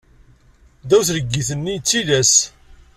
Ddaw tleggit-nni, d tillas.